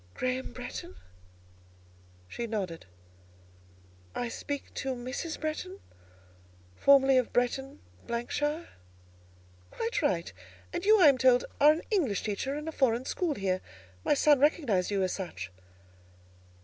"Graham Bretton?" She nodded. "I speak to Mrs. Bretton, formerly of Bretton, ——shire?" "Quite right; and you, I am told, are an English teacher in a foreign school here: my son recognised you as such."